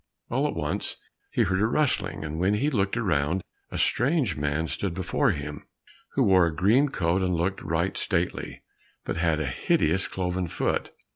All at once he heard a rustling, and when he looked round, a strange man stood before him, who wore a green coat and looked right stately, but had a hideous cloven foot.